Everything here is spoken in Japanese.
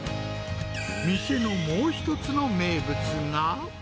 店のもう一つの名物が。